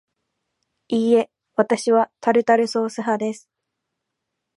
いいえ、わたしはタルタルソース派です